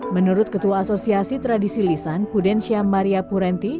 menurut ketua asosiasi tradisi lisan pudensya maria purenti